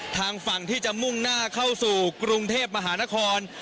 ทางฝั่งที่จะมุ่งหน้าเข้าสู่กรุงเทพมหานคร